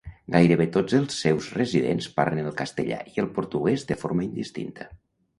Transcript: Gairebé tots els seus residents parlen el castellà i el portuguès de forma indistinta.